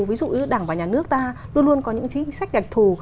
ví dụ như đảng và nhà nước ta luôn luôn có những chính sách đặc thù